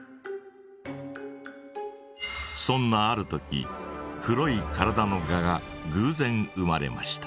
そんなある時黒い体のガがぐうぜん生まれました。